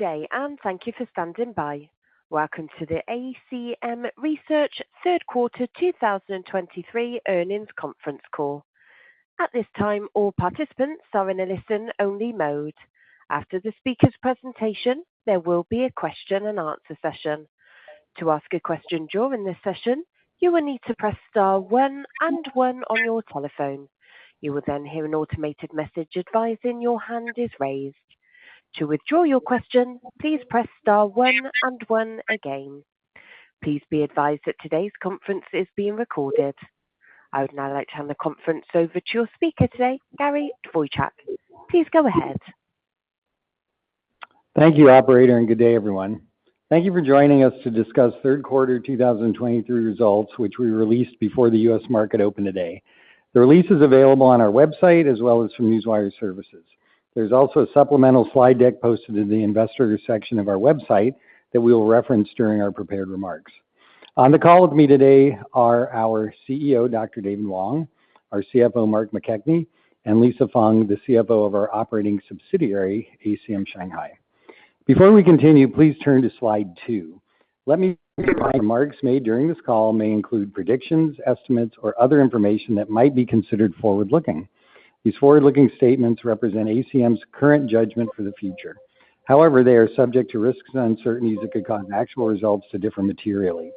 Good day, and thank you for standing by. Welcome to the ACM Research third quarter 2023 earnings conference call. At this time, all participants are in a listen-only mode. After the speaker's presentation, there will be a question and answer session. To ask a question during this session, you will need to press star one and one on your telephone. You will then hear an automated message advising your hand is raised. To withdraw your question, please press star one and one again. Please be advised that today's conference is being recorded. I would now like to hand the conference over to your speaker today, Gary Dvorchak. Please go ahead. Thank you, operator, and good day, everyone. Thank you for joining us to discuss third quarter 2023 results, which we released before the U.S. market opened today. The release is available on our website as well as from newswire services. There's also a supplemental slide deck posted in the investor section of our website that we will reference during our prepared remarks. On the call with me today are our CEO, Dr. David Wang, our CFO, Mark McKechnie, and Lisa Feng, the CFO of our operating subsidiary, ACM Shanghai. Before we continue, please turn to slide 2. Remarks made during this call may include predictions, estimates, or other information that might be considered forward-looking. These forward-looking statements represent ACM's current judgment for the future. However, they are subject to risks and uncertainties that could cause actual results to differ materially.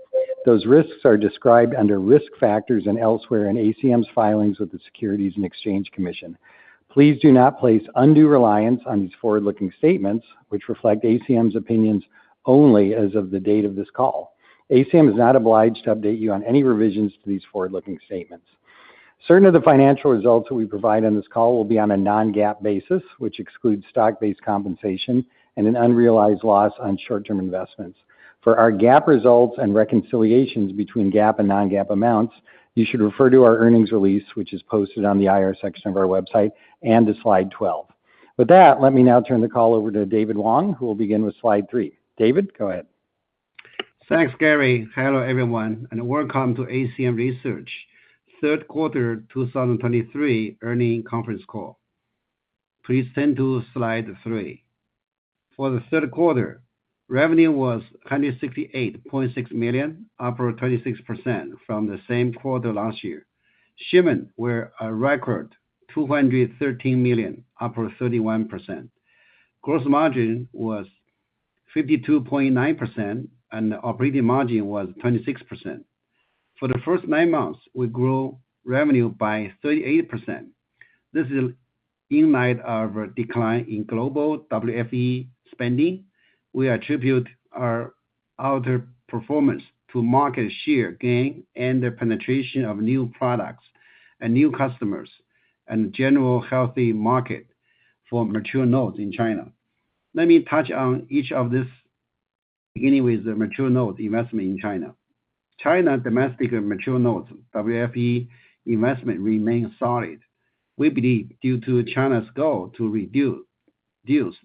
Those risks are described under Risk Factors and elsewhere in ACM's filings with the Securities and Exchange Commission. Please do not place undue reliance on these forward-looking statements, which reflect ACM's opinions only as of the date of this call. ACM is not obliged to update you on any revisions to these forward-looking statements. Certain of the financial results that we provide on this call will be on a Non-GAAP basis, which excludes stock-based compensation and an unrealized loss on short-term investments. For our GAAP results and reconciliations between GAAP and Non-GAAP amounts, you should refer to our earnings release, which is posted on the IR section of our website, and to slide 12. With that, let me now turn the call over to David Wang, who will begin with slide three. David, go ahead. Thanks, Gary. Hello, everyone, and welcome to ACM Research third quarter 2023 earnings conference call. Please turn to slide 3. For the third quarter, revenue was $168.6 million, up 36% from the same quarter last year. Shipments were a record $213 million, up 31%. Gross margin was 52.9%, and operating margin was 26%. For the first nine months, we grew revenue by 38%. This is in light of a decline in global WFE spending. We attribute our, our performance to market share gain and the penetration of new products and new customers, and general healthy market for mature nodes in China. Let me touch on each of these, beginning with the mature node investment in China. China domestic mature nodes WFE investment remains solid. We believe due to China's goal to reduce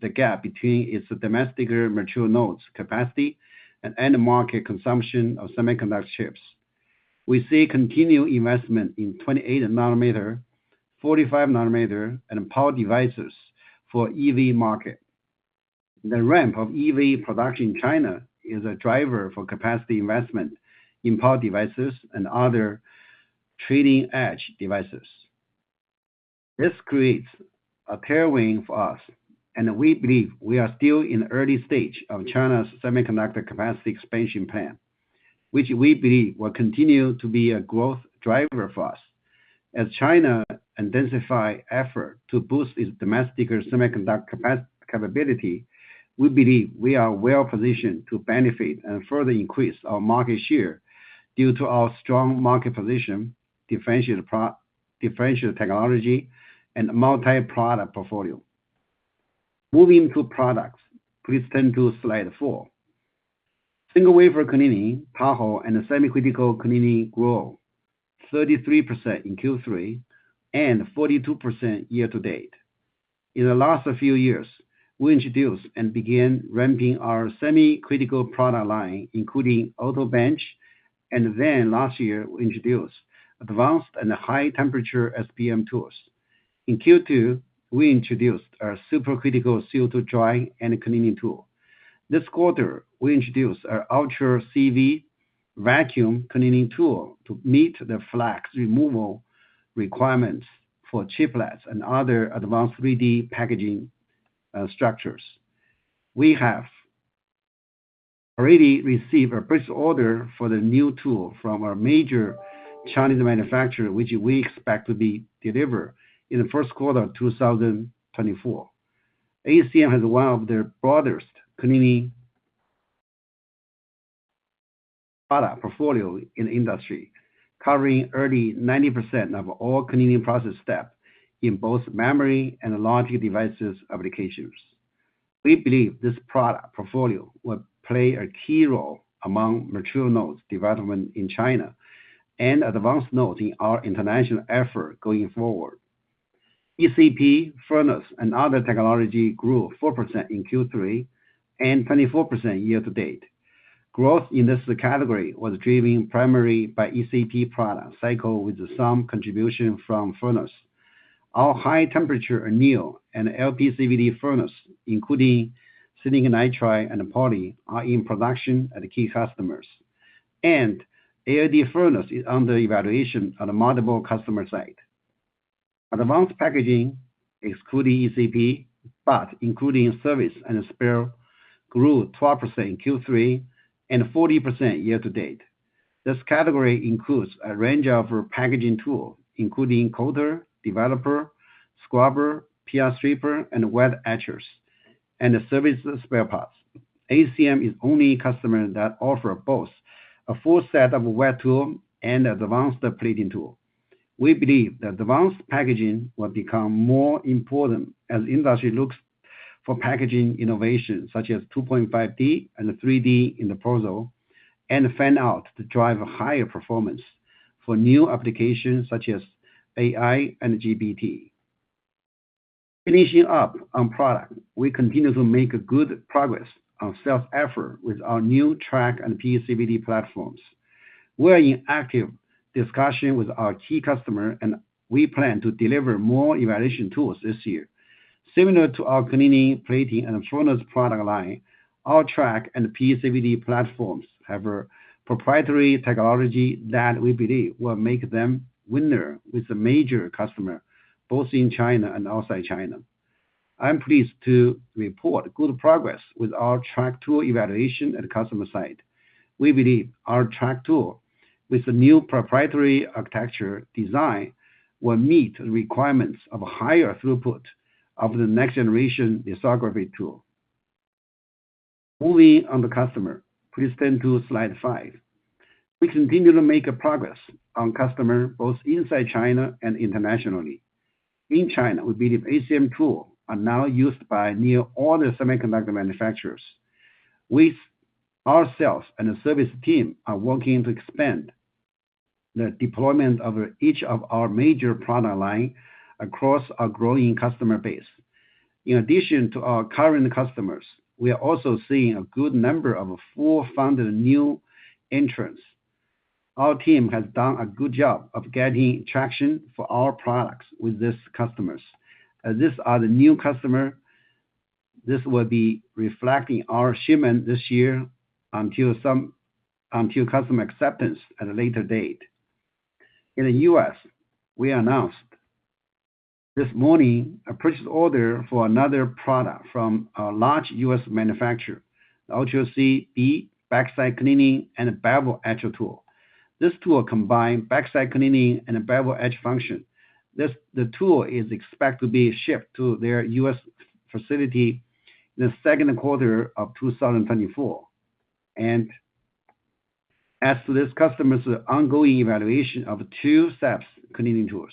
the gap between its domestic mature nodes capacity and end market consumption of semiconductor chips. We see continued investment in 28 nanometer, 45 nanometer, and power devices for EV market. The ramp of EV production in China is a driver for capacity investment in power devices and other leading-edge devices. This creates a tailwind for us, and we believe we are still in the early stage of China's semiconductor capacity expansion plan, which we believe will continue to be a growth driver for us. As China intensify effort to boost its domestic or semiconductor capability, we believe we are well positioned to benefit and further increase our market share due to our strong market position, differentiated technology, and multi-product portfolio. Moving to products, please turn to slide 4. Single wafer cleaning, Tahoe, and semi-critical cleaning grew 33% in Q3 and 42% year to date. In the last few years, we introduced and began ramping our semi-critical product line, including Auto Bench, and then last year, we introduced advanced and high temperature SPM tools. In Q2, we introduced our supercritical CO2 drying and cleaning tool. This quarter, we introduced our Ultra C V vacuum cleaning tool to meet the flux removal requirements for chiplets and other advanced 3D packaging structures. We have already received a pre-order for the new tool from a major Chinese manufacturer, which we expect to be delivered in the first quarter of 2024. ACM has one of the broadest cleaning product portfolio in the industry, covering nearly 90% of all cleaning process steps in both memory and logic devices applications. We believe this product portfolio will play a key role among mature nodes development in China and advanced nodes in our international effort going forward. ECP, Furnace, and other technology grew 4% in Q3 and 24% year-to-date. Growth in this category was driven primarily by ECP product cycle, with some contribution from furnace. Our high temperature anneal and LPCVD furnace, including silicon nitride and poly, are in production at the key customers. ALD furnace is under evaluation on a multiple customer site. Advanced packaging, excluding ECP, but including service and spare, grew 12% in Q3 and 40% year-to-date. This category includes a range of packaging tool, including coater, developer, scrubber, PR stripper, and wet etchers, and the service spare parts. ACM is only customer that offer both a full set of wet tool and advanced plating tool. We believe that advanced packaging will become more important as the industry looks for packaging innovations such as 2.5D and 3D in the portfolio, and fan-out to drive a higher performance for new applications such as AI and GPT. Finishing up on product, we continue to make good progress on sales effort with our new track and PECVD platforms. We are in active discussion with our key customer, and we plan to deliver more evaluation tools this year. Similar to our cleaning, plating, and furnace product line, our track and PECVD platforms have a proprietary technology that we believe will make them winner with the major customer, both in China and outside China. I'm pleased to report good progress with our track tool evaluation at customer site. We believe our Track tool, with the new proprietary architecture design, will meet the requirements of a higher throughput of the next-generation lithography tool. Moving on to customers, please turn to slide 5. We continue to make progress on customers, both inside China and internationally. In China, we believe ACM tools are now used by nearly all the semiconductor manufacturers. With our sales and the service team are working to expand the deployment of each of our major product line across our growing customer base. In addition to our current customers, we are also seeing a good number of well-funded new entrants. Our team has done a good job of getting traction for our products with these customers. As these are the new customers, this will be reflecting our shipments this year until customer acceptance at a later date. In the U.S., we announced this morning a purchase order for another product from a large U.S. manufacturer, the Ultra C b backside cleaning and bevel etcher tool. This tool combines backside cleaning and a bevel etcher function. This tool is expected to be shipped to their U.S. facility in the second quarter of 2024. As this customer's ongoing evaluation of two-step cleaning tools,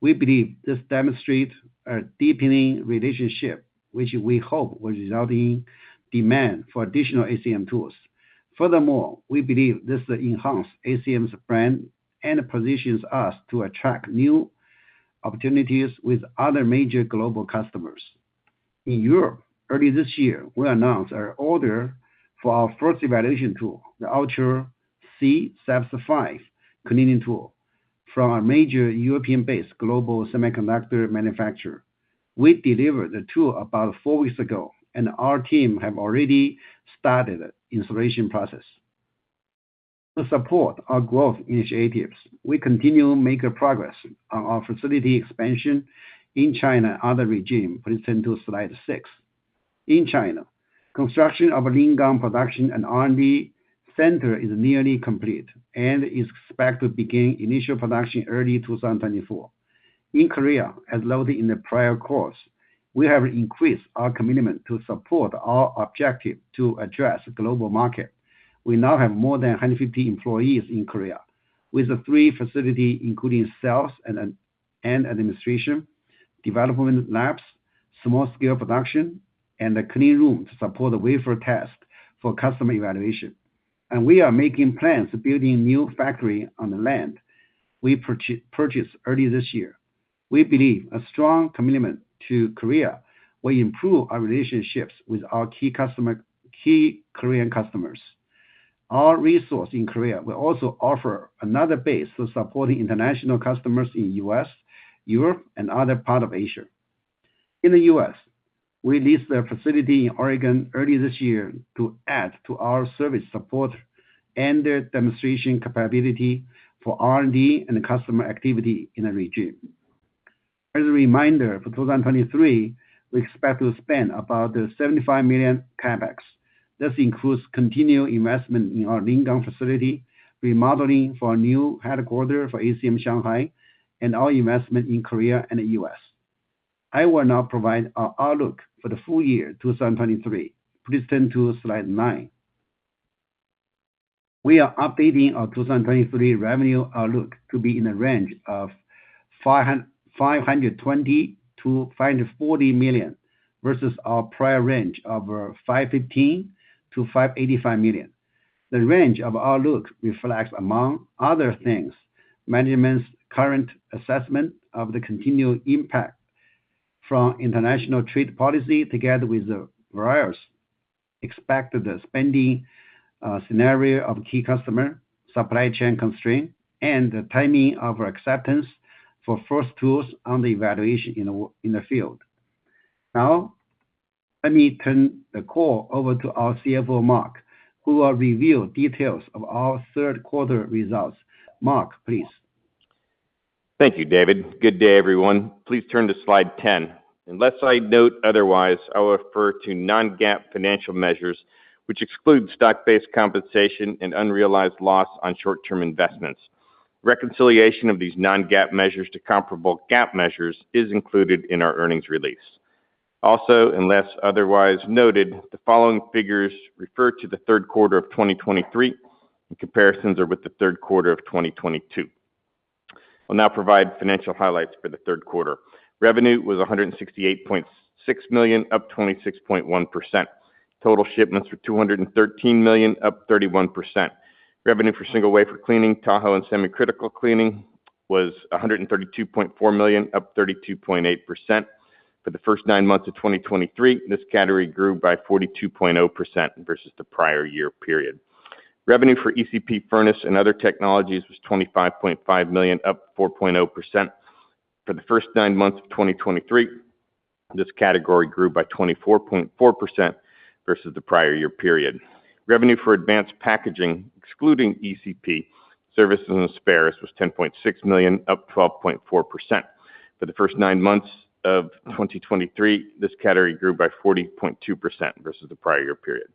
we believe this demonstrates a deepening relationship, which we hope will result in demand for additional ACM tools. Furthermore, we believe this enhances ACM's brand and positions us to attract new opportunities with other major global customers. In Europe, early this year, we announced our order for our first evaluation tool, the Ultra C SAPS V cleaning tool, from a major European-based global semiconductor manufacturer. We delivered the tool about four weeks ago, and our team has already started installation process. To support our growth initiatives, we continue to make progress on our facility expansion in China, other region. Please turn to slide 6. In China, construction of a Lingang production and R&D center is nearly complete and is expected to begin initial production in early 2024. In Korea, as loaded in the prior course, we have increased our commitment to support our objective to address global market. We now have more than 150 employees in Korea, with the three facility, including sales and administration, development labs, small-scale production, and a clean room to support the wafer test for customer evaluation. And we are making plans to building new factory on the land we purchased early this year. We believe a strong commitment to Korea will improve our relationships with our key customer, key Korean customers. Our resource in Korea will also offer another base to support the international customers in U.S., Europe, and other part of Asia. In the U.S., we leased a facility in Oregon early this year to add to our service support and demonstration capability for R&D and customer activity in the region. As a reminder, for 2023, we expect to spend about $75 million CapEx. This includes continued investment in our Lingang facility, remodeling for our new headquarters for ACM Shanghai, and our investment in Korea and the U.S. I will now provide our outlook for the full year 2023. Please turn to slide 9. We are updating our 2023 revenue outlook to be in the range of $520 million-$540 million, versus our prior range of $515 million-$585 million. The range of outlook reflects, among other things, management's current assessment of the continued impact from international trade policy, together with the various expected spending scenario of key customer, supply chain constraint, and the timing of our acceptance for first tools on the evaluation in the field. Now, let me turn the call over to our CFO, Mark, who will reveal details of our third quarter results. Mark, please. Thank you, David. Good day, everyone. Please turn to slide 10. Unless I note otherwise, I will refer to non-GAAP financial measures, which exclude stock-based compensation and unrealized loss on short-term investments. Reconciliation of these non-GAAP measures to comparable GAAP measures is included in our earnings release. Also, unless otherwise noted, the following figures refer to the third quarter of 2023, and comparisons are with the third quarter of 2022. I'll now provide financial highlights for the third quarter. Revenue was $168.6 million, up 26.1%. Total shipments were $213 million, up 31%. Revenue for single wafer cleaning, Tahoe and semi-critical cleaning was $132.4 million, up 32.8%. For the first nine months of 2023, this category grew by 42.0% versus the prior year period. Revenue for ECP furnace and other technologies was $25.5 million, up 4.0%. For the first nine months of 2023, this category grew by 24.4% versus the prior year period. Revenue for advanced packaging, excluding ECP, services and spares, was $10.6 million, up 12.4%. For the first nine months of 2023, this category grew by 40.2% versus the prior year period.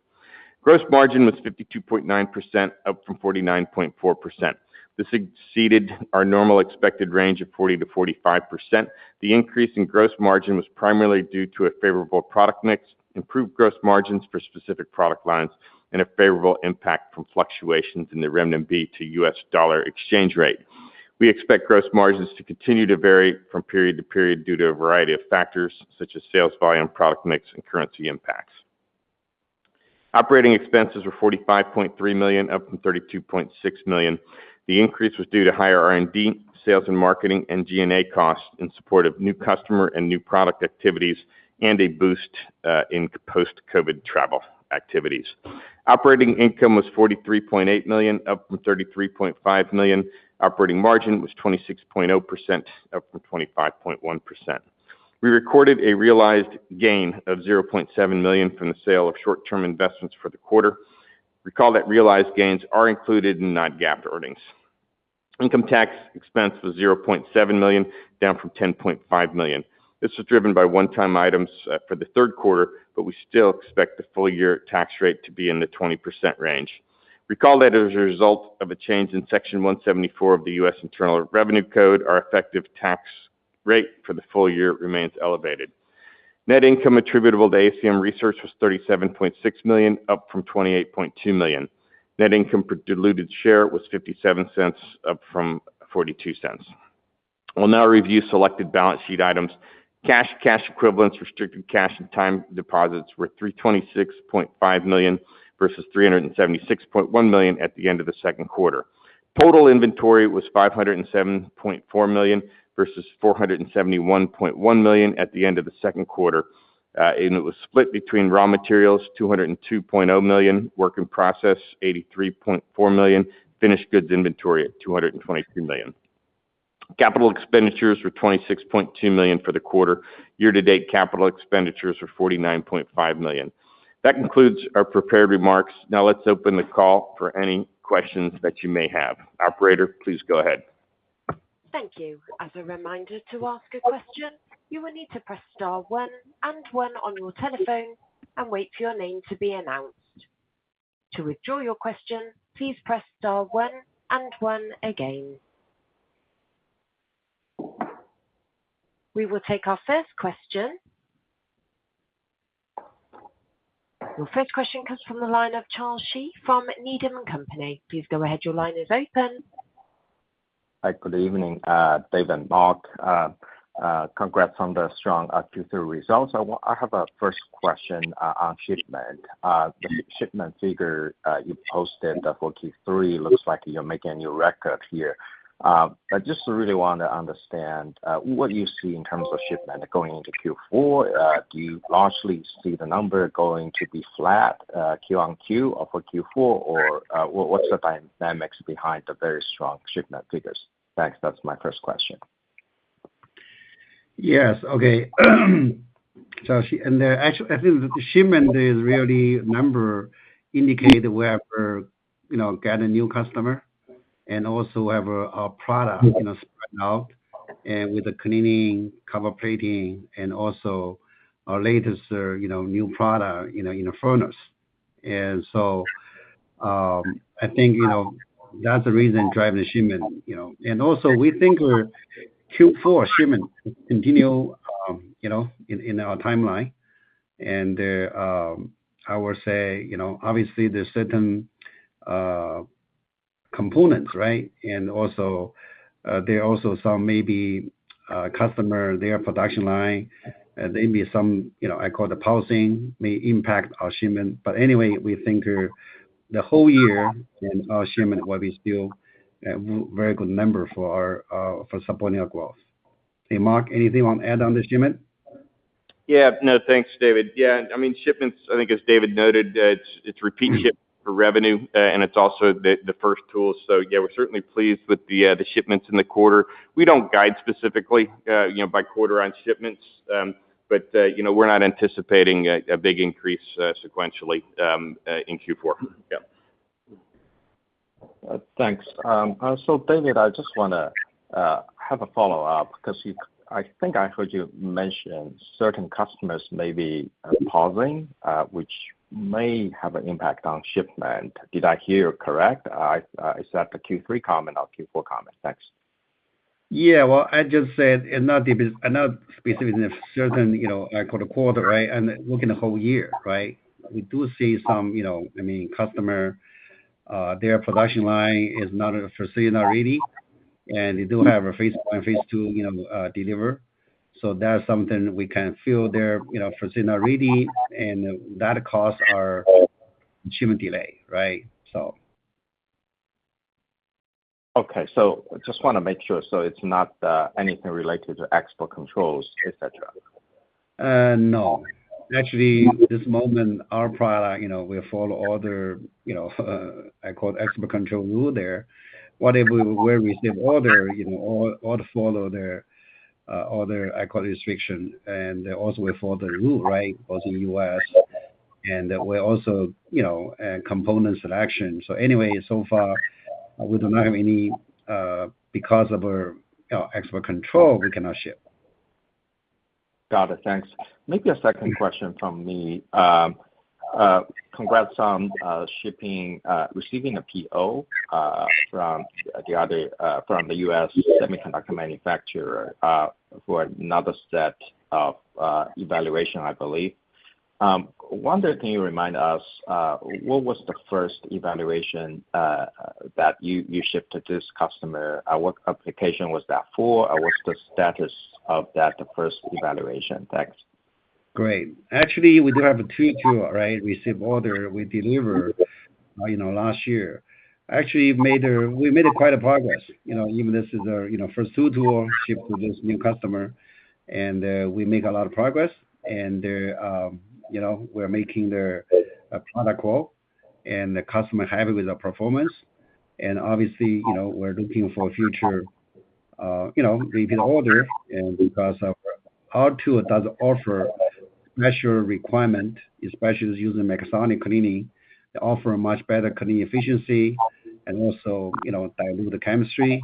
Gross margin was 52.9%, up from 49.4%. This exceeded our normal expected range of 40%-45%. The increase in gross margin was primarily due to a favorable product mix, improved gross margins for specific product lines, and a favorable impact from fluctuations in the renminbi to U.S. dollar exchange rate. We expect gross margins to continue to vary from period to period due to a variety of factors, such as sales volume, product mix, and currency impacts. Operating expenses were $45.3 million, up from $32.6 million. The increase was due to higher R&D, sales and marketing, and G&A costs in support of new customer and new product activities, and a boost in post-COVID travel activities. Operating income was $43.8 million, up from $33.5 million. Operating margin was 26.0%, up from 25.1%. We recorded a realized gain of $0.7 million from the sale of short-term investments for the quarter. Recall that realized gains are included in non-GAAP earnings. Income tax expense was $0.7 million, down from $10.5 million. This was driven by one-time items for the third quarter, but we still expect the full year tax rate to be in the 20% range. Recall that as a result of a change in Section 174 of the U.S. Internal Revenue Code, our effective tax rate for the full year remains elevated. Net income attributable to ACM Research was $37.6 million, up from $28.2 million. Net income per diluted share was $0.57, up from $0.42. I'll now review selected balance sheet items. Cash, cash equivalents, restricted cash, and time deposits were $326.5 million versus $376.1 million at the end of the second quarter. Total inventory was $507.4 million, versus $471.1 million at the end of the second quarter. It was split between raw materials, $202.0 million, work in process, $83.4 million, finished goods inventory at $223 million. Capital expenditures were $26.2 million for the quarter. Year to date, capital expenditures were $49.5 million. That concludes our prepared remarks. Now, let's open the call for any questions that you may have. Operator, please go ahead. Thank you. As a reminder, to ask a question, you will need to press star one and one on your telephone and wait for your name to be announced. To withdraw your question, please press star one and one again. We will take our first question. Your first question comes from the line of Charles Shi from Needham & Company. Please go ahead. Your line is open. Hi, good evening, David and Mark. Congrats on the strong Q3 results. I have a first question on shipment. The shipment figure you posted for Q3 looks like you're making a new record here. I just really want to understand what you see in terms of shipment going into Q4. Do you largely see the number going to be flat Qo Q for Q4? Or, what's the dynamics behind the very strong shipment figures? Thanks. That's my first question. Yes, okay. So, and the actual, I think the shipment is really number indicated wherever, you know, get a new customer and also have our product, you know, spread out and with the cleaning, cover plating and also our latest, you know, new product, you know, in the furnace. And so, I think, you know, that's the reason driving the shipment, you know. And also we think our Q4 shipment continue, you know, in our timeline and, I would say, you know, obviously there's certain, components, right? And also, there are also some maybe, customer, their production line, and there may be some, you know, I call the pulsing, may impact our shipment. But anyway, we think the whole year in our shipment will be still a very good number for our, for supporting our growth. Hey, Mark, anything you want to add on the shipment? Yeah. No, thanks, David. Yeah, I mean, shipments, I think as David noted, it's repeat shipments for revenue, and it's also the first tool. So yeah, we're certainly pleased with the shipments in the quarter. We don't guide specifically, you know, by quarter on shipments, but, you know, we're not anticipating a big increase sequentially in Q4. Yep. Thanks. So, David, I just want to have a follow-up, because you—I think I heard you mention certain customers may be pausing, which may have an impact on shipment. Did I hear correct? Is that the Q3 comment or Q4 comment? Thanks. Yeah, well, I just said, not specifically in a certain, you know, quarter, right? And looking the whole year, right? We do see some, you know, I mean, customer, their production line is not foreseeable ready, and they do have a phase one, phase two, you know, deliver. So that's something we can fill their, you know, foreseeable ready, and that cause our shipment delay, right? So. Okay. So just want to make sure. So it's not, anything related to export controls, et cetera? No. Actually, this moment, our product, you know, we follow all the, you know, I call it, export control rule there. Whatever, where we ship order, you know, all follow their, I call it, restriction, and they also follow the rule, right, also U.S. And we're also, you know, components action. So anyway, so far, we do not have any, because of our, you know, export control, we cannot ship. Got it. Thanks. Maybe a second question from me. Congrats on shipping receiving a PO from the other from the U.S. semiconductor manufacturer for another set of evaluation, I believe. One other thing you remind us, what was the first evaluation that you shipped to this customer? What application was that for? What's the status of that, the first evaluation? Thanks. Great. Actually, we do have a two tool, right? We receive order, we deliver, you know, last year. Actually, we made quite a progress, you know, even this is a, you know, first tool shipped to this new customer, and we make a lot of progress, and they're, you know, we're making their product call, and the customer happy with the performance. And obviously, you know, we're looking for future, you know, repeat order and because of our tool does offer measure requirement, especially using mechanical cleaning, they offer a much better cleaning efficiency and also, you know, dilute the chemistry.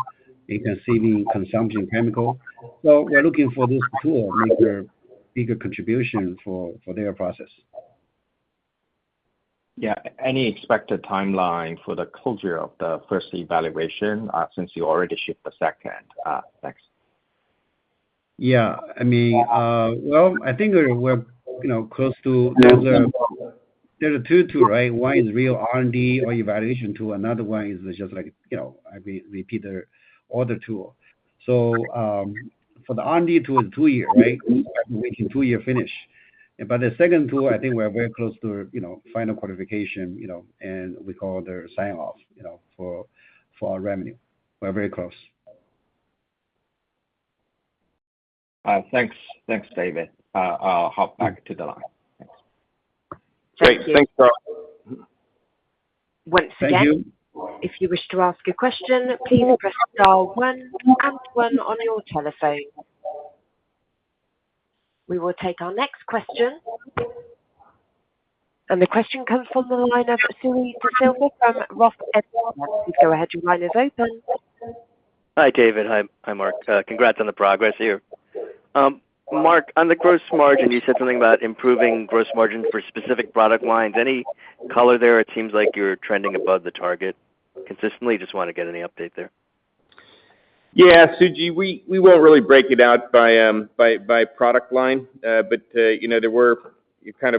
You can see the consumption chemical. So we're looking for this tool, make a bigger contribution for their process. Yeah. Any expected timeline for the closure of the first evaluation, since you already shipped the second? Thanks. Yeah, I mean, well, I think we're, you know, close to another... There are two tool, right? One is real R&D or evaluation tool, another one is just like, you know, I repeat the order tool. So, for the R&D tool, two year, right? We are making two year finish. But the second tool, I think we're very close to, you know, final qualification, you know, and we call their sign-off, you know, for, for our revenue. We're very close. Thanks. Thanks, David. I'll hop back to the line. Thanks. Great. Thanks, Charles. Once again, if you wish to ask a question, please press star one and one on your telephone. We will take our next question, and the question comes from the line of Suji from Roth MKM. Go ahead, your line is open. Hi, David. Hi, Mark. Congrats on the progress here. Mark, on the gross margin, you said something about improving gross margin for specific product lines. Any color there? It seems like you're trending above the target consistently. Just want to get any update there. Yeah, Suji, we won't really break it out by product line, but you know,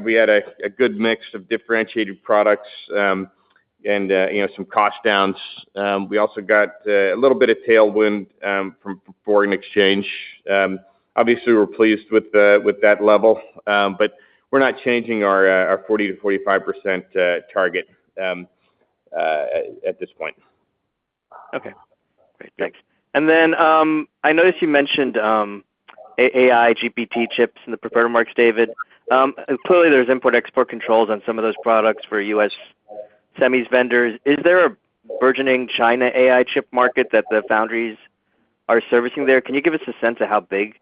we had a good mix of differentiated products, and you know, some cost downs. We also got a little bit of tailwind from foreign exchange. Obviously, we're pleased with that level, but we're not changing our 40%-45% target at this point. Okay, great. Thanks. And then, I noticed you mentioned, AI, GPT chips and the preferred marks, David. Clearly, there's import-export controls on some of those products for U.S. semis vendors. Is there a burgeoning China AI chip market that the foundries are servicing there? Can you give us a sense of how big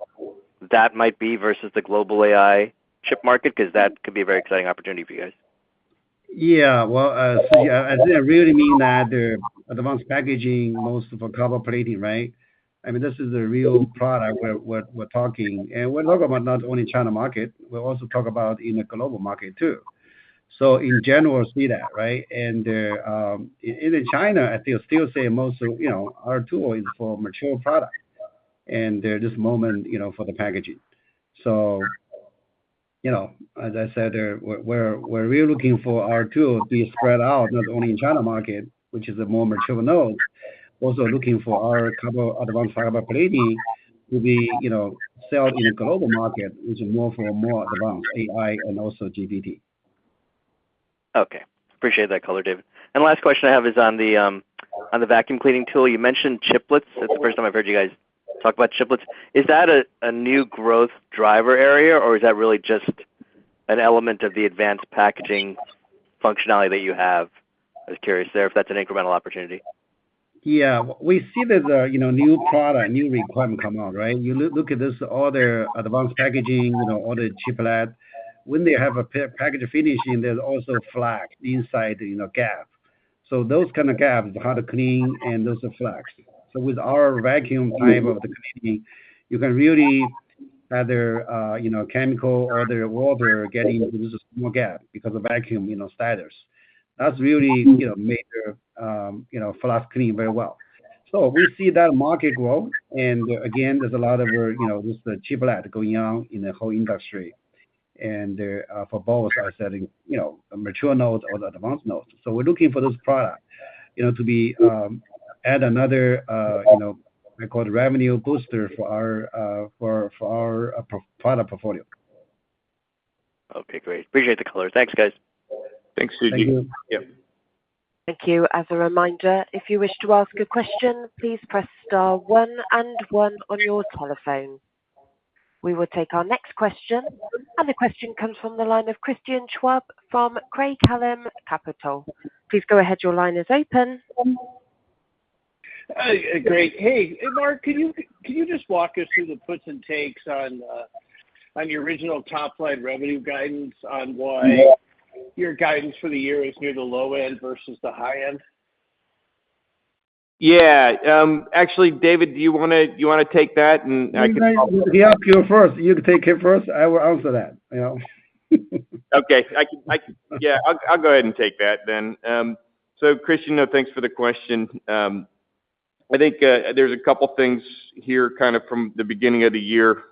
that might be versus the global AI chip market? Because that could be a very exciting opportunity for you guys. Yeah, well, Suji, I really mean that the advanced packaging, most of our copper plating, right? I mean, this is a real product we're talking. And we're talking about not only China market, we're also talk about in the global market too. So in general, see that, right? And in China, I think I still say most, you know, our tool is for mature product, and they're just moment, you know, for the packaging. So, you know, as I said, we're looking for our tool to be spread out, not only in China market, which is a more mature node, also looking for our copper advanced fiber plating to be, you know, sell in the global market, which is more for more advanced AI and also GPT. Okay, appreciate that color, David. And last question I have is on the on the vacuum cleaning tool. You mentioned chiplets. That's the first time I've heard you guys talk about chiplets. Is that a new growth driver area, or is that really just an element of the advanced packaging functionality that you have? I was curious there, if that's an incremental opportunity. Yeah. We see there's a, you know, new product, new requirement come out, right? You look at this, all the advanced packaging, you know, all the chiplets. When they have a package finishing, there's also flux inside, you know, gap. So those kind of gaps, how to clean, and those are fluxes. So with our vacuum type of the cleaning, you can really, either, you know, chemical or the water, getting into the small gap because the vacuum, you know, status. That's really, you know, major flux clean very well. So we see that market grow, and again, there's a lot of, you know, with the chiplets going on in the whole industry. And there, for both are setting, you know, mature nodes or the advanced nodes. So we're looking for this product, you know, to add another, you know, we call it revenue booster for our product portfolio. Okay, great. Appreciate the color. Thanks, guys. Thanks, Suji. Thank you. Yep. Thank you. As a reminder, if you wish to ask a question, please press star one and one on your telephone. We will take our next question, and the question comes from the line of Christian Schwab from Craig-Hallum Capital. Please go ahead. Your line is open. Great. Hey, Mark, can you just walk us through the puts and takes on your original top-line revenue guidance, on why- Yeah Your guidance for the year is near the low end versus the high end? Yeah, actually, David, do you wanna, you wanna take that, and I can help- You guys, you're up here first. You take it first. I will answer that, you know. Okay. I can. Yeah, I'll go ahead and take that then. So Christian, thanks for the question. I think there's a couple things here kind of from the beginning of the year.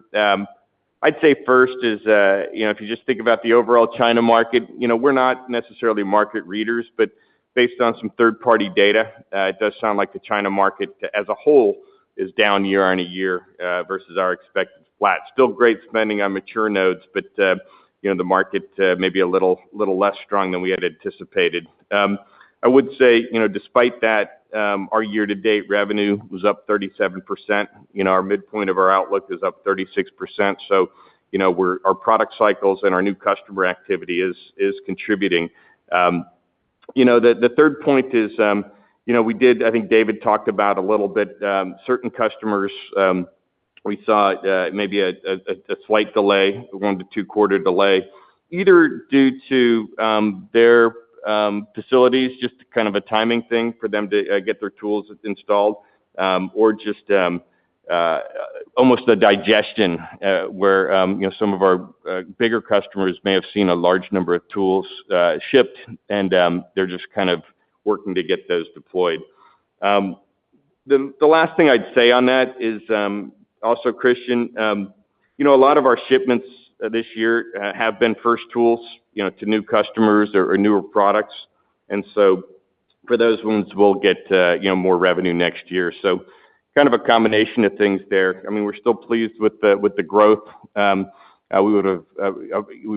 I'd say first is, you know, if you just think about the overall China market, you know, we're not necessarily market readers, but based on some third-party data, it does sound like the China market as a whole is down year-over-year, versus our expected flat. Still great spending on mature nodes, but, you know, the market may be a little less strong than we had anticipated. I would say, you know, despite that, our year-to-date revenue was up 37%. You know, our midpoint of our outlook is up 36%, so, you know, we're our product cycles and our new customer activity is contributing. You know, the third point is, you know, we did. I think David talked about a little bit, certain customers, we saw maybe a slight delay, one- to two-quarter delay, either due to their facilities, just kind of a timing thing for them to get their tools installed, or just almost a digestion, where, you know, some of our bigger customers may have seen a large number of tools shipped, and they're just kind of working to get those deployed. The last thing I'd say on that is, also, Christian, you know, a lot of our shipments this year have been first tools, you know, to new customers or newer products, and so for those ones, we'll get, you know, more revenue next year. So kind of a combination of things there. I mean, we're still pleased with the growth. We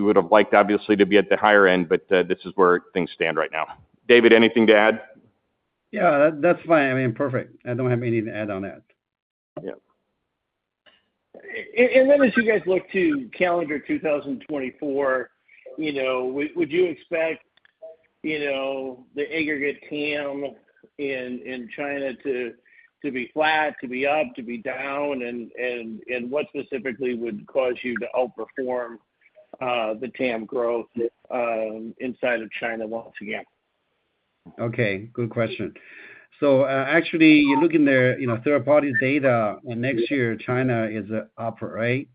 would have liked, obviously, to be at the higher end, but this is where things stand right now. David, anything to add? Yeah, that's fine. I mean, perfect. I don't have anything to add on that. Yeah. And then as you guys look to calendar 2024, you know, would you expect, you know, the aggregate TAM in China to be flat, to be up, to be down, and what specifically would cause you to outperform the TAM growth inside of China altogether? Okay, good question. So, actually, you're looking there, you know, third-party data, and next year, China is up, right?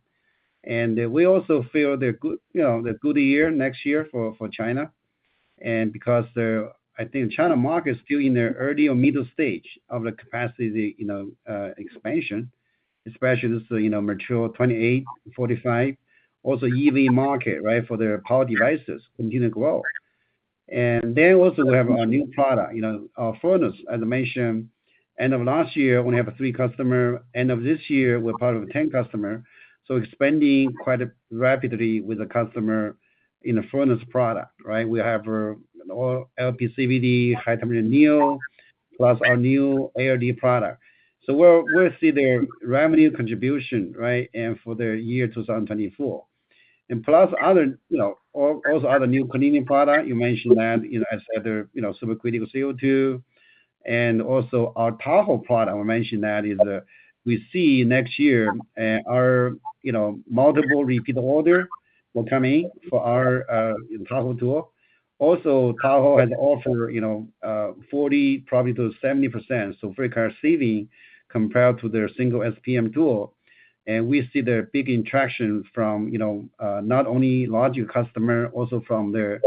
And we also feel the good, you know, the good year next year for, for China, and because the... I think China market is still in the early or middle stage of the capacity, you know, expansion, especially this, you know, mature 28, 45, also EV market, right, for their power devices continue to grow. And then also we have our new product, you know, our furnace, as I mentioned, end of last year, we have three customers. End of this year, we're part of the 10 customers, so expanding quite rapidly with the customers in the furnace product, right? We have, LPCVD, high temperature SPM, plus our new ALD product. So we'll, we'll see the revenue contribution, right, and for the year 2024. Plus other, you know, all, also other new cleaning product, you mentioned that, you know, as other, you know, supercritical CO2, and also our Tahoe product. I will mention that we see next year, you know, multiple repeat order will come in for our Tahoe tool. Also, Tahoe has also, you know, 40%-70% cost savings, compared to their single SPM tool. And we see big interaction from, you know, not only logic customer, also from their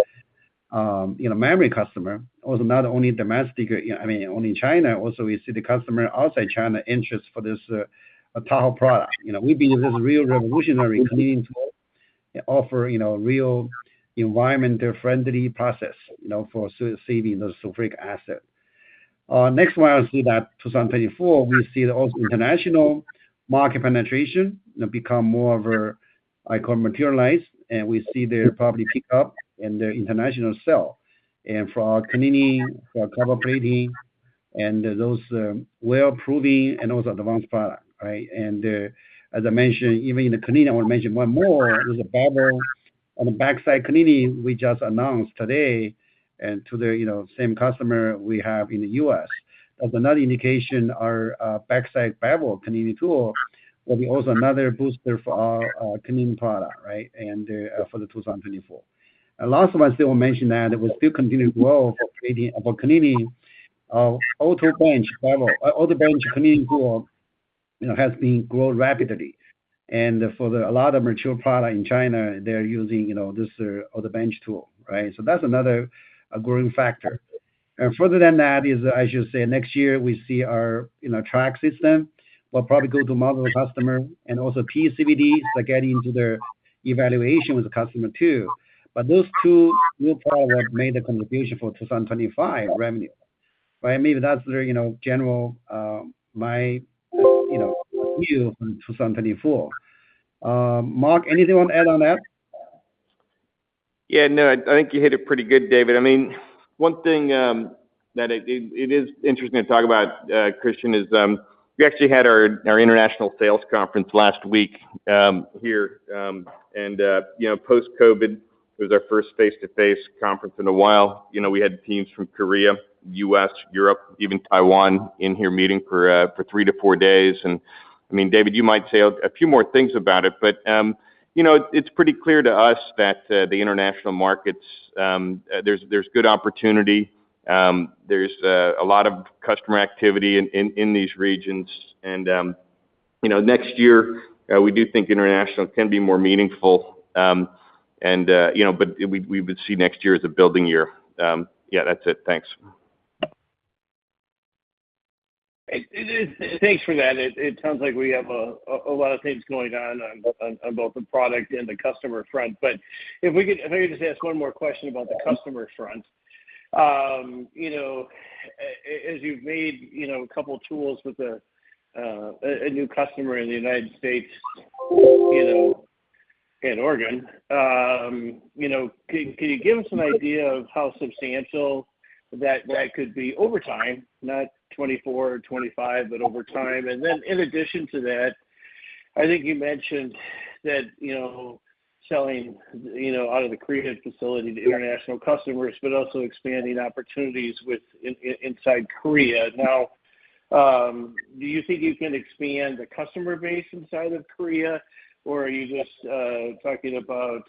memory customer. Also, not only domestic, I mean, only China, also we see the customer outside China interest for this Tahoe product. You know, we believe this is a real revolutionary cleaning tool and offer, you know, real environment-friendly process, you know, for saving the sulfuric acid. Next one, I see that 2024, we see the also international market penetration, become more of a, I call materialized, and we see their probably pick up in their international sale. And for our cleaning, for copper plating, and those, well proving and also advanced product, right? And, as I mentioned, even in the cleaning, I want to mention one more, is a bevel on the backside cleaning, we just announced today, and to the, you know, same customer we have in the U.S. As another indication, our, backside bevel cleaning tool will be also another booster for our, our cleaning product, right? And, for the 2024. And last but not still mention that, it will still continue to grow for cleaning, for cleaning, auto bench bevel, auto bench cleaning tool, you know, has been grown rapidly. For a lot of mature product in China, they're using, you know, this AutoBench tool, right? So that's another growing factor. Further than that, I should say, next year, we see our, you know, Track system will probably go to model customer and also PECVD, by getting into their evaluation with the customer, too. But those two new product made the contribution for 2025 revenue, right? I mean, that's very, you know, general, my, you know, view on 2024. Mark, anything you want to add on that? Yeah, no, I think you hit it pretty good, David. I mean, one thing that it is interesting to talk about, Christian, is we actually had our international sales conference last week here, and you know, post-COVID, it was our first face-to-face conference in a while. You know, we had teams from Korea, U.S., Europe, even Taiwan, in here meeting for three to four days. And, I mean, David, you might say a few more things about it, but you know, it's pretty clear to us that the international markets, there's good opportunity. There's a lot of customer activity in these regions and, you know, next year, we do think international can be more meaningful, and, you know, but we would see next year as a building year. Yeah, that's it. Thanks. Thanks for that. It sounds like we have a lot of things going on both the product and the customer front. But if we could, if I could just ask one more question about the customer front. You know, as you've made, you know, a couple tools with a new customer in the United States, you know, in Oregon, you know, can you give us some idea of how substantial that could be over time? Not 2024, 2025, but over time. And then in addition to that, I think you mentioned that, you know, selling, you know, out of the Korean facility to international customers, but also expanding opportunities within inside Korea. Now, do you think you can expand the customer base inside of Korea, or are you just talking about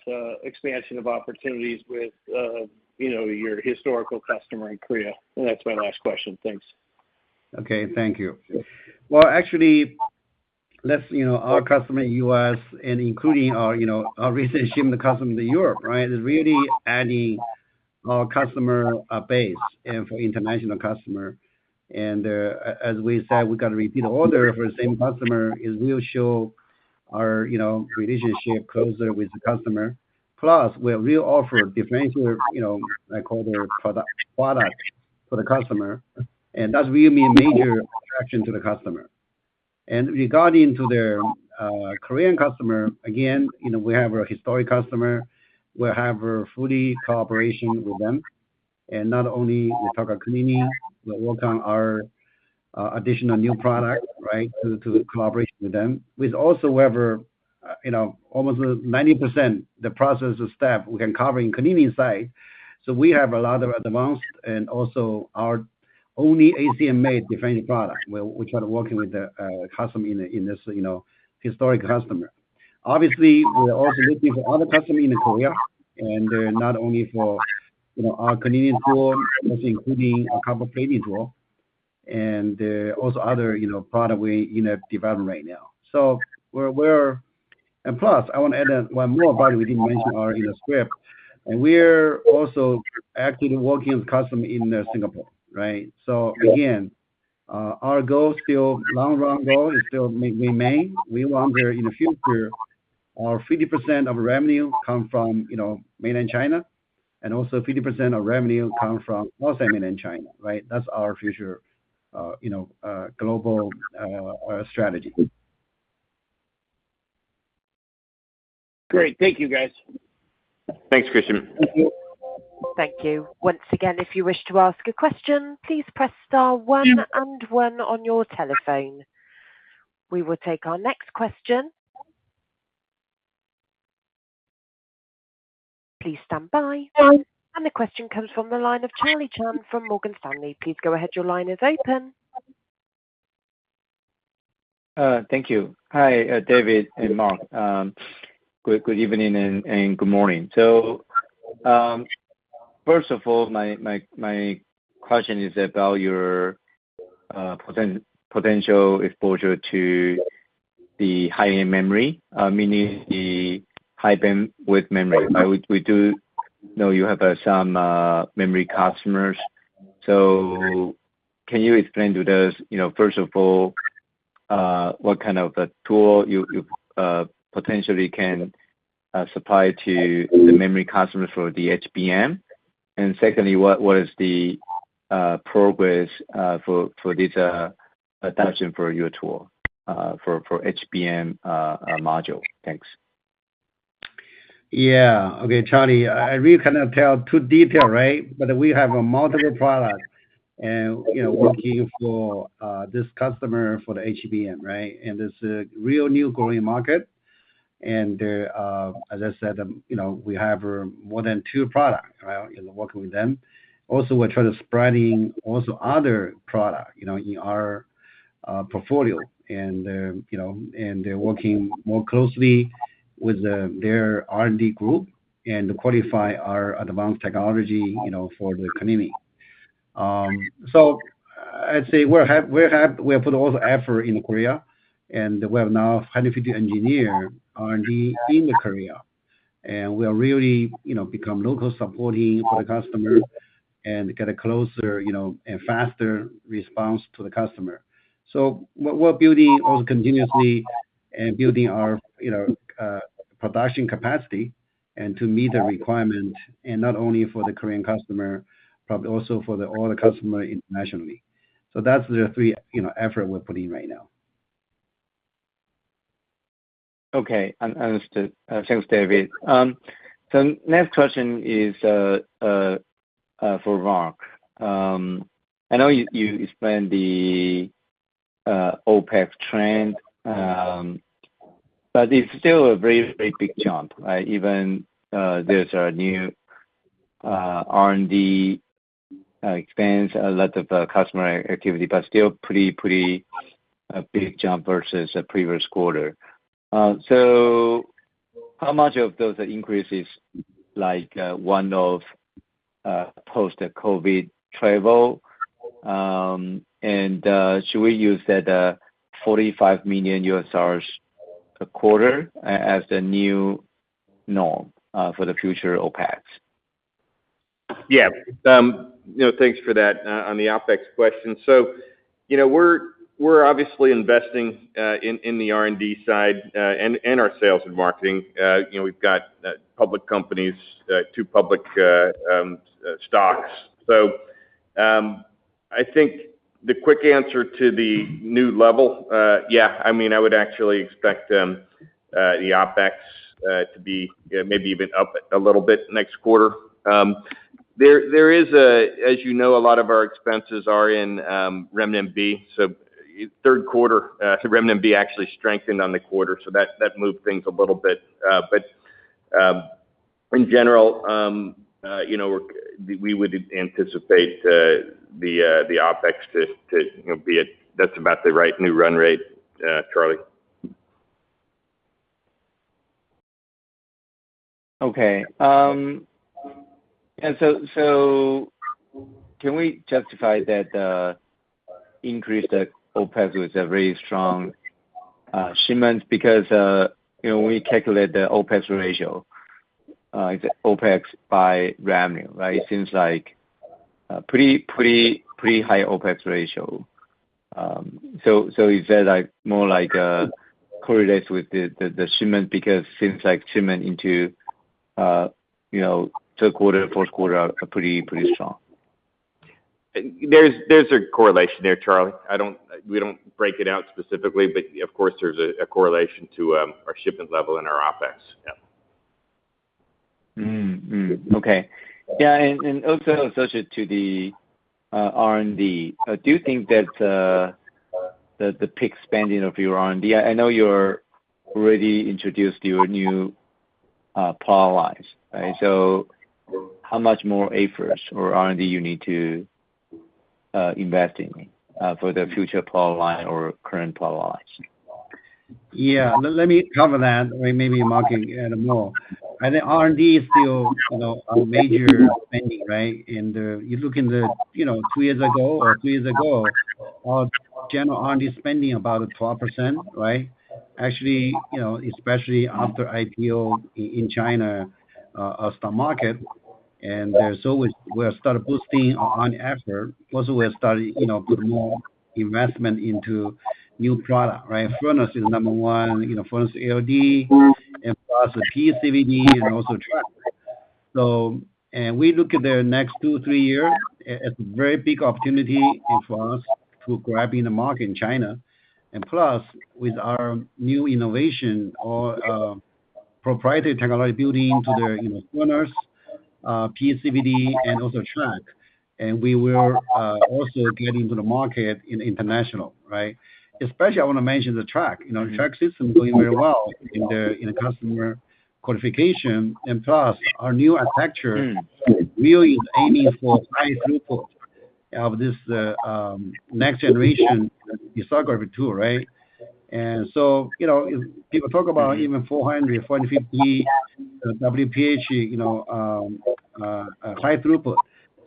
expansion of opportunities with you know, your historical customer in Korea? And that's my last question. Thanks. Okay, thank you. Well, actually, let's, you know, our customer in U.S. and including our, you know, our recent shipment customer in the Europe, right? Is really adding our customer base and for international customer. As we said, we got a repeat order for the same customer, it will show our, you know, relationship closer with the customer. Plus, we will offer differential, you know, I call their product, product for the customer, and that's really a major attraction to the customer. And regarding to their Korean customer, again, you know, we have a historic customer. We have a fully cooperation with them, and not only we talk about cleaning, we work on our additional new product, right? To, to collaborate with them. With also, however, you know, almost 90% the process of step we can cover in cleaning site. So we have a lot of advanced and also our only ACM advanced product, where we try to working with the, customer in, in this, you know, historic customer. Obviously, we are also looking for other customer in Korea, and not only for, you know, our cleaning tool, also including our copper plating tool and, also other, you know, product we, you know, developing right now. And plus, I want to add one more product we didn't mention, our in the script. We're also actively working with customer in Singapore, right? So again, our goal still, long run goal is still remain. We want there in the future, our 50% of revenue come from, you know, mainland China, and also 50% of revenue come from non-mainland China, right? That's our future, you know, global, strategy. Great. Thank you, guys. Thanks, Christian. Thank you. Thank you. Once again, if you wish to ask a question, please press star one and one on your telephone. We will take our next question. Please stand by. The question comes from the line of Charlie Chan from Morgan Stanley. Please go ahead. Your line is open. Thank you. Hi, David and Mark. Good evening and good morning. So, first of all, my question is about your potential exposure to the high-end memory, meaning the high bandwidth memory. We do know you have some memory customers. So can you explain to us, you know, first of all, what kind of a tool you potentially can supply to the memory customer for the HBM? And secondly, what is the progress for this adoption for your tool for HBM module? Thanks. Yeah. Okay, Charlie, I really cannot tell too detail, right? But we have a multiple product and, you know, working for, this customer for the HBM, right? And this is a real new growing market. And, as I said, you know, we have, more than two products, right, working with them. Also, we're trying to spreading also other product, you know, in our, portfolio and, you know, and working more closely with, their R&D group and qualify our advanced technology, you know, for the community. So I'd say we have put all the effort in Korea, and we have now 150 engineer R&D in Korea. And we are really, you know, become local supporting for the customer and get a closer, you know, and faster response to the customer. So we're building all continuously and building our, you know, production capacity to meet the requirement, and not only for the Korean customer, but also for all the customers internationally. So that's the three, you know, efforts we're putting in right now. Okay, understood. Thanks, David. So next question is for Mark. I know you explained the OpEx trend, but it's still a very, very big jump, right? Even, there's a new R&D expense, a lot of customer activity, but still pretty, pretty, a big jump versus the previous quarter. So how much of those increases, like one of post-COVID travel, and should we use that $45 million a quarter as the new norm for the future OpEx? Yeah. You know, thanks for that on the OpEx question. So, you know, we're obviously investing in the R&D side and our sales and marketing. You know, we've got public companies, two public stocks. So, I think the quick answer to the new level, yeah, I mean, I would actually expect the OpEx to be maybe even up a little bit next quarter. There is—as you know, a lot of our expenses are in renminbi, so third quarter, the renminbi actually strengthened on the quarter, so that moved things a little bit. But in general, you know, we would anticipate the OpEx to you know be at that's about the right new run rate, Charlie. Okay. So can we justify that increase the OpEx with a very strong shipments? Because, you know, when we calculate the OpEx ratio, the OpEx by revenue, right? It seems like a pretty high OpEx ratio. So is that like more like correlates with the shipment, because seems like shipment into, you know, third quarter, fourth quarter are pretty strong. There's a correlation there, Charlie. I don't—we don't break it out specifically, but of course, there's a correlation to our shipment level and our OpEx. Yeah. Mm-hmm. Mm, okay. Yeah, and also associated to the R&D. Do you think that the big spending of your R&D? I know you're already introduced your new product lines, right? So how much more efforts or R&D you need to invest in for the future product line or current product lines? Yeah, let me cover that, or maybe Mark can add more. I think R&D is still, you know, a major spending, right? And, you look in the, you know, two years ago or three years ago, our general R&D spending about 12%, right? Actually, you know, especially after IPO in China, stock market, and there's always we have started boosting on after. Also, we have started, you know, put more investment into new product, right? Furnace is number one, you know, furnace ALD, and plus PECVD, and also track. So, and we look at the next two, three years, a very big opportunity in front us to grabbing the market in China. Plus, with our new innovation or proprietary technology building into the, you know, furnace, PECVD and also track, and we will also get into the market in international, right? Especially, I want to mention the track. You know, track system is going very well in the customer qualification. Plus, our new architecture really is aiming for high throughput of this next generation lithography tool, right? So, you know, people talk about even 400, 450 WPH, you know, high throughput.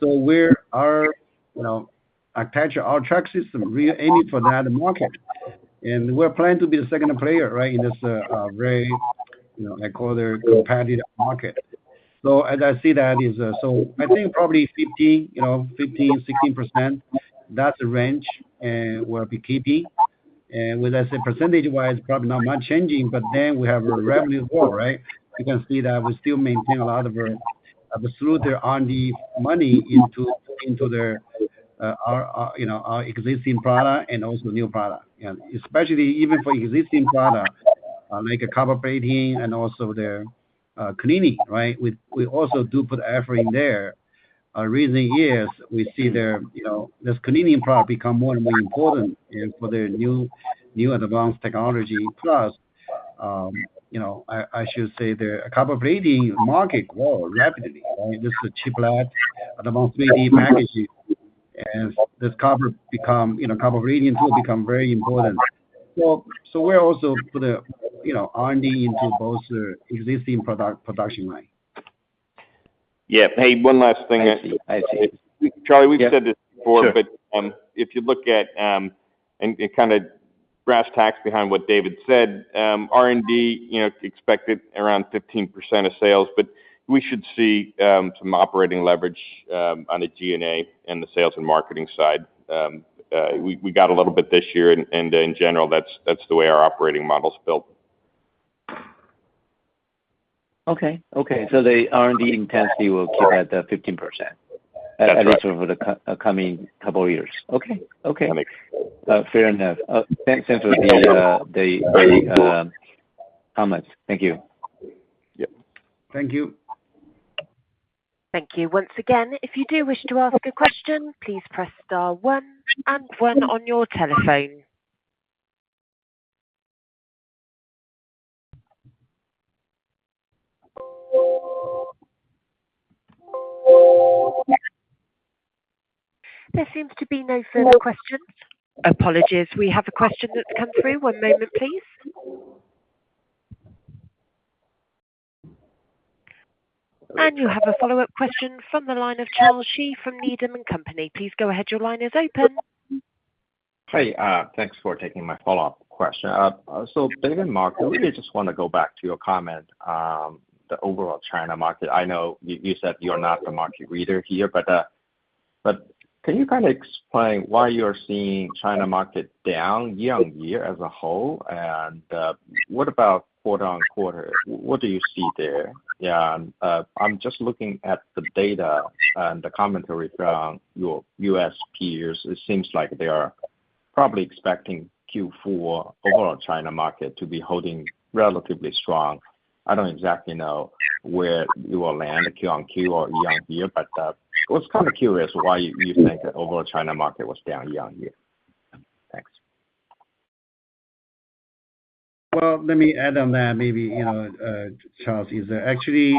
So we're, you know, attach our track system, really aiming for that market, and we're planning to be the second player, right, in this very, you know, I call the competitive market. So as I see that is, so I think probably 15, you know, 15, 16%, that's the range, and we'll be keeping. And as I said, percentage-wise, probably not much changing, but then we have a revenue growth, right? You can see that we still maintain a lot of our, of the throughput on the money into, into their, our, you know, our existing product and also new product. And especially even for existing product, like a copper plating and also the, cleaning, right? We, we also do put effort in there. Our reasoning is we see there, you know, this cleaning product become more and more important in, for the new, new advanced technology. Plus, you know, I, I should say the copper plating market grow rapidly. I mean, this is a chip fab, and among 3D packaging, and this copper bump, you know, copper plating will become very important. So, we're also putting a, you know, R&D into both the existing product production line. Yeah. Hey, one last thing. I see. I see. Charlie, we've said this before- Sure. But if you look at and kind of brass tacks behind what David said, R&D, you know, expected around 15% of sales, but we should see some operating leverage on the G&A and the sales and marketing side. We got a little bit this year, and in general, that's the way our operating model is built. Okay. Okay, so the R&D intensity will keep at the 15%- That's right. At least over the coming couple of years. Okay. Okay. Thanks. Fair enough. Thanks, thanks for the, the, comments. Thank you. Yep. Thank you. Thank you. Once again, if you do wish to ask a question, please press star one and one on your telephone. There seems to be no further questions. Apologies, we have a question that's come through. One moment, please. You have a follow-up question from the line of Charles Shi from Needham & Company. Please go ahead. Your line is open. Hey, thanks for taking my follow-up question. So David and Mark, I really just want to go back to your comment, the overall China market. I know you said you're not the market reader here, but can you kind of explain why you're seeing China market down year-over-year as a whole? And what about quarter-over-quarter? What do you see there? Yeah, and I'm just looking at the data and the commentary from your U.S. peers. It seems like they are probably expecting Q4 overall China market to be holding relatively strong. I don't exactly know where you will land on QoQ or year-over-year, but I was kind of curious why you think the overall China market was down year-over-year. Thanks. Well, let me add on that maybe, you know, Charles, is actually,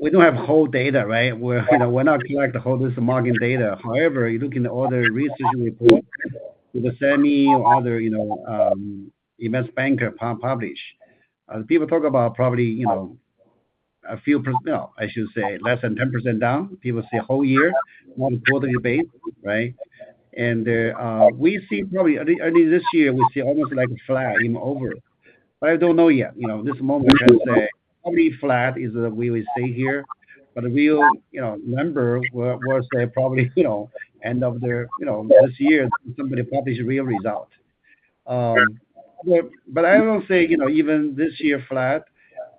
we don't have whole data, right? We're, you know, we're not collect the whole market data. However, you look in the order research report with the semi or other, you know, invest banker publish. People talk about probably, you know, a few percent, no, I should say less than 10% down, people say a whole year, more quarterly base, right? And, we see probably, I mean this year, we see almost like flat, even over. But I don't know yet, you know, this moment, I say, probably flat is where we stay here, but the real, you know, number we'll say probably, you know, end of the, you know, this year, somebody publish real results. But I will say, you know, even this year flat,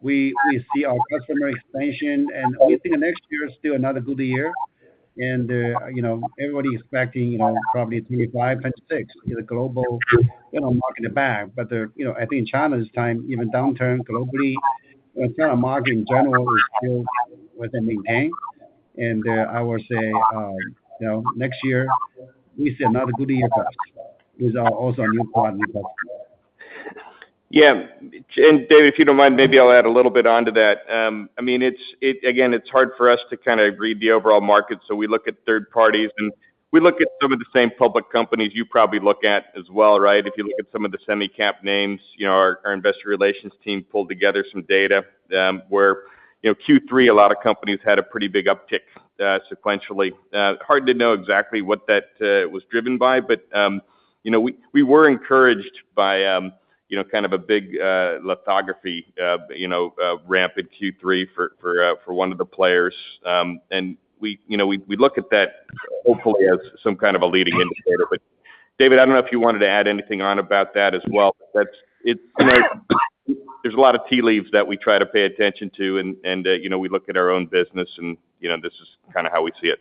we see our customer expansion, and we think the next year is still another good year. You know, everybody is expecting, you know, probably 3, 5, 5, 6, the global, you know, market is back. But, you know, I think China this time, even downturn globally, the China market in general is still with the maintain. I would say, you know, next year is another good year for us, is also a new point because- Yeah, and David, if you don't mind, maybe I'll add a little bit onto that. I mean, it's again, it's hard for us to kind of read the overall market, so we look at third parties, and we look at some of the same public companies you probably look at as well, right? If you look at some of the semi-cap names, you know, our investor relations team pulled together some data, where, you know, Q3, a lot of companies had a pretty big uptick sequentially. Hard to know exactly what that was driven by, but, you know, we were encouraged by, you know, kind of a big lithography ramp in Q3 for one of the players. And we, you know, we look at that hopefully as some kind of a leading indicator. But David, I don't know if you wanted to add anything on about that as well, but that's, it's, there's a lot of tea leaves that we try to pay attention to, and you know, we look at our own business, and, you know, this is kind of how we see it.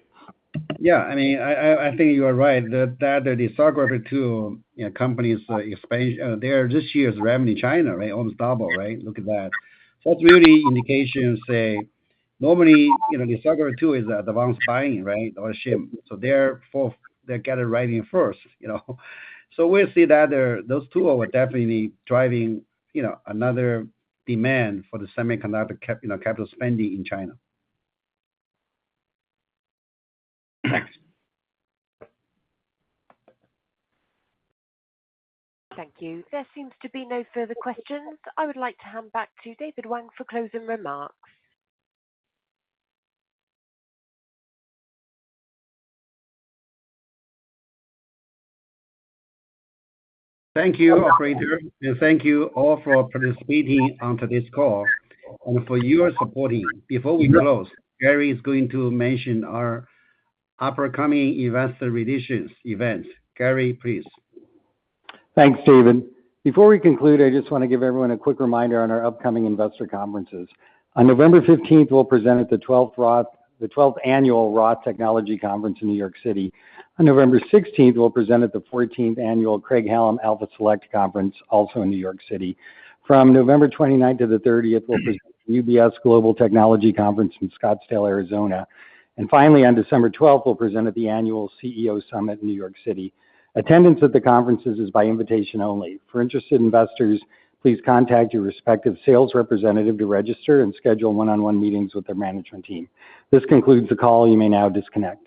Yeah, I mean, I think you are right. The lithography two, you know, companies, their this year's revenue, China, right? Almost double, right? Look at that. So it's really indications say, normally, you know, the lithography two is the ones buying, right? Or ship. So they're fourth, they get it right in first, you know? So we'll see that there, those two are definitely driving, you know, another demand for the semiconductor cap, you know, capital spending in China. Thanks. Thank you. There seems to be no further questions. I would like to hand back to David Wang for closing remarks. Thank you, operator, and thank you all for participating on today's call and for your supporting. Before we close, Gary is going to mention our upcoming investor relations events. Gary, please. Thanks, David. Before we conclude, I just want to give everyone a quick reminder on our upcoming investor conferences. On November 15, we'll present at the 12th Roth, the 12th Annual Roth Technology Conference in New York City. On November 16, we'll present at the 14th Annual Craig-Hallum Alpha Select Conference, also in New York City. From November 29 to the 30th, we'll present UBS Global Technology Conference in Scottsdale, Arizona. And finally, on December 12, we'll present at the Annual CEO Summit in New York City. Attendance at the conferences is by invitation only. For interested investors, please contact your respective sales representative to register and schedule one-on-one meetings with the management team. This concludes the call. You may now disconnect.